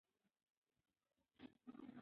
امانتداري د ژباړې بنسټ دی.